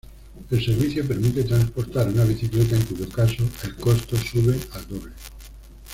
El servicio permite transportar una bicicleta, en cuyo caso el costo sube al doble.